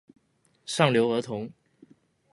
上流兒童